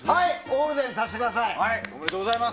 オールデンにさせてください。